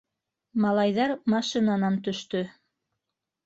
Малайҙар машинанан төштө.